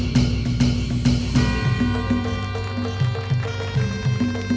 เธอไม่รู้ว่าเธอไม่รู้